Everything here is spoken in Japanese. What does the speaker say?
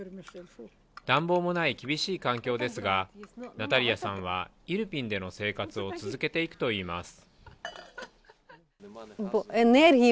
暖房もない厳しい環境ですが、ナタリアさんはイルピンでの生活を続けていくといいます。